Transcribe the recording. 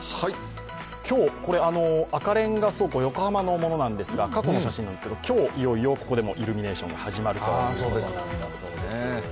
今日、赤レンガ倉庫、横浜のものなんですけど、過去の写真なんですけど今日いよいよここでもイルミネーションが始まるということだそうです。